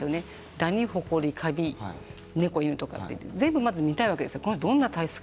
ダニ、ほこり、かび猫、犬とか全部、診たいわけですよ。